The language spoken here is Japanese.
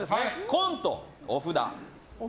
コント、お札。